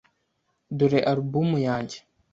Dore alubumu yanjye.